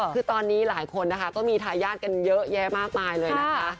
คือตอนนี้หลายคนนะคะก็มีทายาทกันเยอะแยะมากมายเลยนะคะ